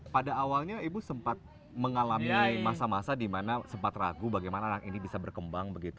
pada awalnya ibu sempat mengalami masa masa di mana sempat ragu bagaimana anak ini bisa berkembang begitu